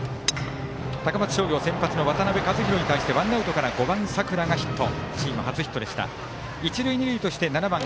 高松商業先発の渡辺和大に対してワンアウトから５番、佐倉がヒット。